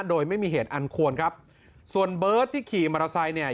โดยไม่มีเหตุอันควรครับส่วนเบิร์ดที่ขี่มรสัยเนี่ย